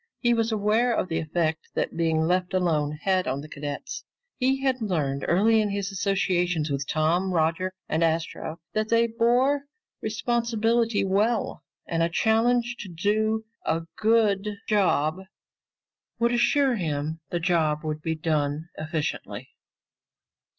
He was aware of the effect that being left alone had on the cadets. He had learned early in his associations with Tom, Roger, and Astro that they bore responsibility well, and a challenge to do a good job would assure him the job would be done efficiently.